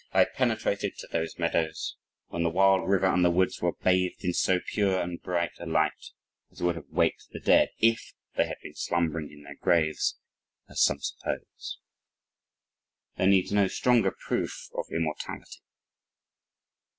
"I penetrated to those meadows ... when the wild river and the woods were bathed in so pure and bright a light as would have waked the dead IF they had been slumbering in their graves as some suppose. There needs no stronger proof of immortality."